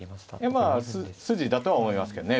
まあ筋だとは思いますけどね。